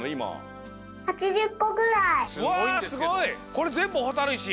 これぜんぶほたるいし？